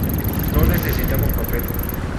No necesitamos papel.